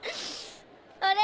あれ？